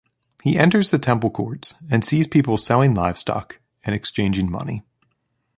He enters the Temple courts and sees people selling livestock and exchanging money.